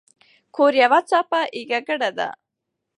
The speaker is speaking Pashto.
کور یوه څپه ایزه ګړه ده.